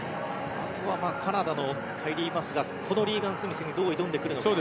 あとはカナダのカイリー・マスがこのリーガン・スミスにどう挑んでくるのか。